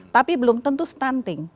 tapi belum tentu stunting